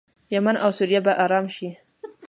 یمن او سوریه به ارام شي.